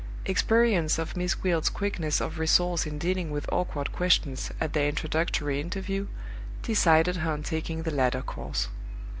Experience of Miss Gwilt's quickness of resource in dealing with awkward questions at their introductory interview decided her on taking the latter course.